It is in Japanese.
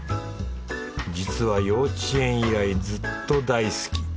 実は幼稚園以来ずっと大好き